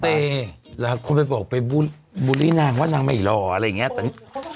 เต๋แล้วคนไปบอกไปบูลบูลลี่นางว่านางไม่หรออะไรอย่างเงี้ย